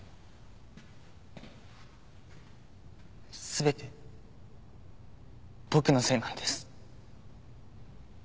全て僕のせいなんです。